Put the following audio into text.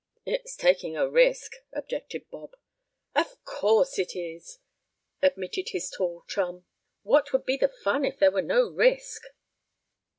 "It's taking a risk," objected Bob. "Of course it is!" admitted his tall chum. "What would be the fun if there were no risk?"